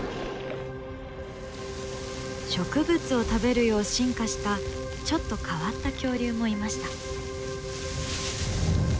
植物を食べるよう進化したちょっと変わった恐竜もいました。